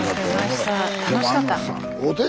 楽しかった。